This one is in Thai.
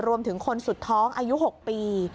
รวมถึงคนสุดท้องอายุ๖ปี